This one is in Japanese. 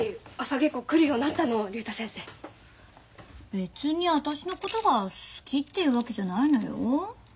別に私のことが好きっていうわけじゃないのよ。